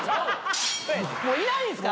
もういないんすか？